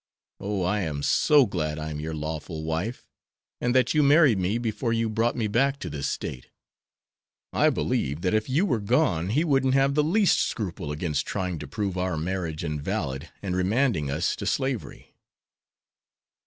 Oh, I am so glad I am your lawful wife, and that you married me before you brought me back to this State! I believe that if you were gone he wouldn't have the least scruple against trying to prove our marriage invalid and remanding us to slavery."